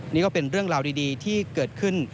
นี่ก็เป็นเรื่องราวดีที่เกิดขึ้น